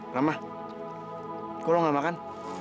rama kenapa kamu tidak makan